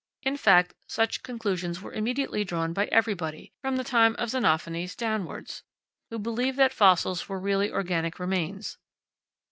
In fact, such conclusions were immediately drawn by everybody, from the time of Xenophanes downwards, who believed that fossils were really organic remains.